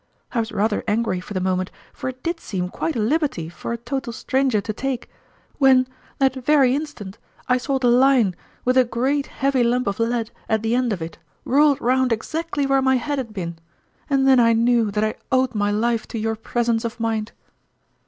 I was rather angry for the moment, for it did seem quite a liberty for a total stranger to take, when, that very in stant, I saw the line with a great heavy lump of lead at the end of it whirled round exactly Seconfc Clique. 59 where my head had been, and then I knew that I owed my life to your presence of mind